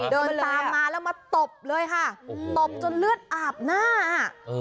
เดินตามมาแล้วมาตบเลยค่ะตบจนเลือดอาบหน้าอ่ะ